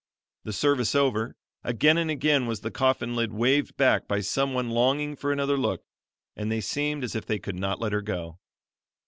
The service over, again and again was the coffin lid waved back by some one longing for another look, and they seemed as if they could not let her go.